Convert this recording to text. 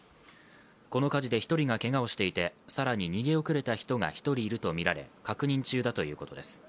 この火事で１人がけがをしていて更に逃げ遅れた人が１人いるとみられ、確認中だということです。